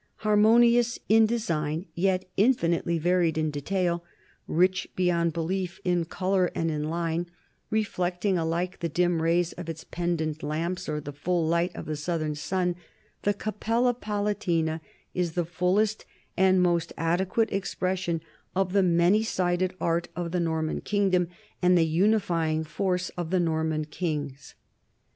11 Harmonious in design yet infinitely varied in detail, rich beyond belief in color and in line, reflecting alike the dim rays of its pendent lamps or the full light of the southern sun, the Cappella Palatina is the fullest and most adequate expression of the many sided art of the Norman kingdom and the unifying force of the Norman kings.